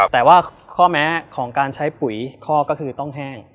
แต่ว่าข้อแม้ของการใช้ปุ๋ยข้อก็คือต้องแห้ง